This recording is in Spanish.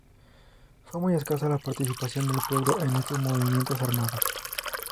Fue muy escasa la participación del Pueblo en estos movimientos armados.